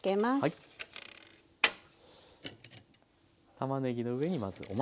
たまねぎの上にまずお豆。